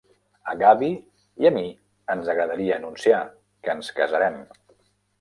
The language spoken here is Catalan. A Gabby i a mi ens agradaria anunciar que ens casarem!